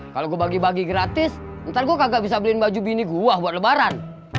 kalau gue bagi bagi gratis ntar gue kagak bisa beliin baju bini gue buat lebaran